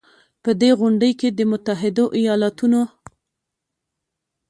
په دې غونډې کې د متحدو ایالتونو